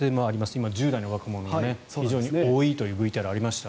今、１０代の若者が非常に多いというＶＴＲがありました。